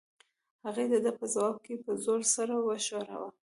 هغې د ده په ځواب کې په زور سر وښوراوه.